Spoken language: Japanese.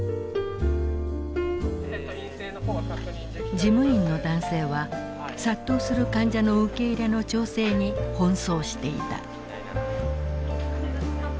事務員の男性は殺到する患者の受け入れの調整に奔走していた。